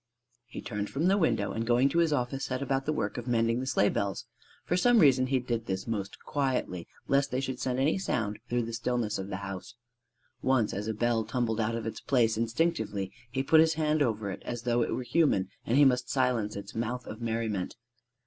He turned from the window, and going to his office set about the work of mending the sleigh bells. For some reason he did this most quietly lest they should send any sound through the stillness of the house. Once as a bell tumbled out of its place, instinctively he put his hand over it as though it were human and he must silence its mouth of merriment.